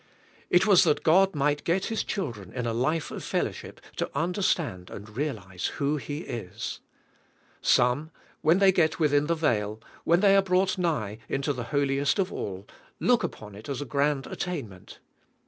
It was that God might CHRiSl^ BRINGING US ^O GOC. 135 g^et His children in a life of fellowship to under stand and realize who He is. Some, when thej get within the veil, when thej are brought nigh into the holiest of all, look upon it as a grand attain ment.